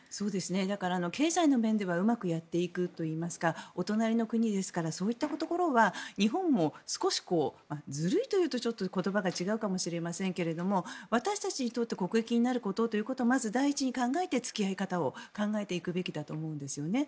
だから経済の面ではうまくやっていくといいますかお隣の国ですからそういったところは日本も少しずるいというとちょっと言葉が違うかもしれませんが私たちにとって国益になるということをまず第一に考えて付き合い方を考えていくべきだと思うんですね。